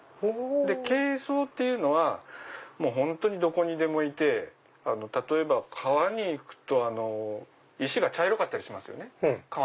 珪藻っていうのは本当にどこにでもいて例えば川に行くと石が茶色かったりしますよね。